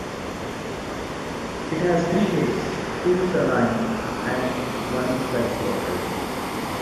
It has three lakes, two saline and one freshwater.